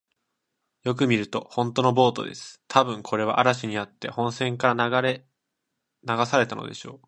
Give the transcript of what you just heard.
よく見ると、ほんとのボートです。たぶん、これは嵐にあって本船から流されたのでしょう。